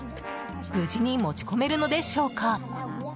無事に持ち込めるのでしょうか。